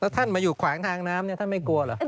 แล้วท่านมาอยู่ขวางทางน้ำนี่ท่านไม่กลัวหรือ